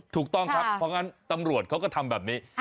ถูกต้องครับเพราะงั้นตำรวจเขาก็ทำแบบนี้